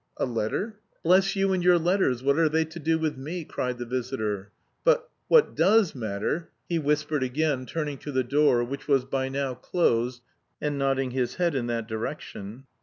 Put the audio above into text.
"A letter? Bless you and your letters, what are they to do with me?" cried the visitor. "But... what does matter..." he whispered again, turning to the door, which was by now closed, and nodding his head in that direction.